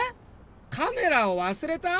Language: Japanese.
カメラを忘れた！？